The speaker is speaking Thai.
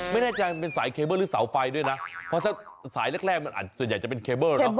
ไม่แน่ใจมันเป็นสายเคเบิ้ลหรือเสาไฟด้วยนะเพราะถ้าสายแรกมันส่วนใหญ่จะเป็นเคเบิ้ลเนอะ